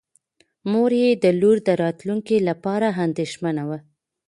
مور یې د لور د راتلونکي لپاره اندېښمنه وه.